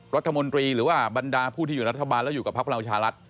รัฐมนตรีหรือว่าบรรดาผู้ที่อยู่รัฐบาลแล้วอยู่กับพักพลังประชารัฐ